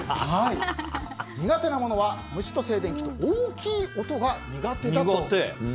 苦手なものは虫と静電気と大きい音が苦手だと。